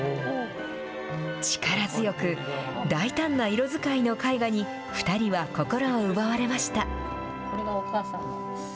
力強く、大胆な色使いの絵画に２人は心を奪われました。